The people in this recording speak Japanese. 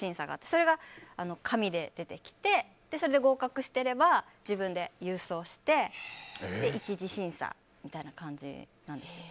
それが紙で出てきてそれで合格してれば自分で郵送して１次審査みたいな感じなんです。